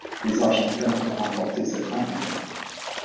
Les Argentins ont remporté cette rencontre.